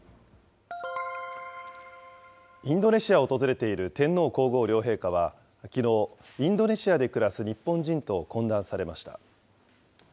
インドネシアを訪れている天皇皇后両陛下はきのう、インドネシアで暮らす日本人と懇談されました。